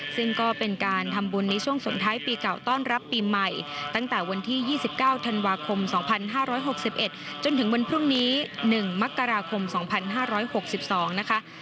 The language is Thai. ซึ่งก็เป็นการทำบุญในช่วงสงท้ายปีเก่าต้อนรับปีใหม่ตั้งแต่วันที่๒๙ธันวาคม๒๕๖๑จนถึงวันพรุ่งนี้๑มกราคม๒๕๖๒นะคะ